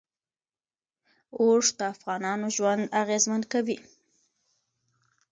اوښ د افغانانو ژوند اغېزمن کوي.